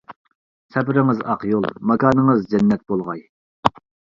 سەپىرىڭىز ئاق يول، ماكانىڭىز جەننەتتە بولغاي!